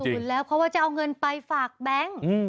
แล้วเพราะว่าจะเอาเงินไปฝากแบงค์